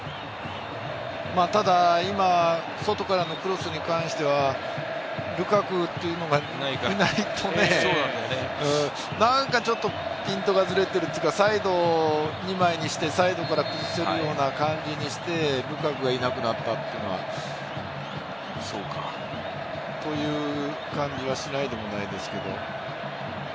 ただ今、外からのクロスに関しては、ルカクというのがいないから、何かピントがずれているというか、最後２枚にして、サイドから崩せるような感じにして、ルカクがいなくなったっていうのは、そうかという感じはしないでもないですけど。